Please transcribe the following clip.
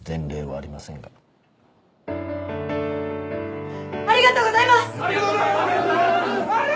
ありがとうございます！